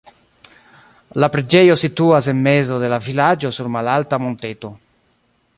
La preĝejo situas en mezo de la vilaĝo sur malalta monteto.